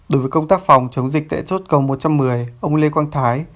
đối với công tác phòng chống dịch tại chốt cầu một trăm một mươi ông lê quang thái